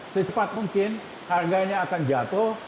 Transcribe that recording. secepat mungkin harganya akan jatuh